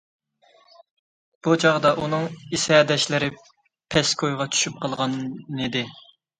بۇ چاغدا ئۇنىڭ ئېسەدەشلىرى پەسكويغا چۈشۈپ قالغانىدى.